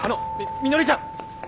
みのりちゃん！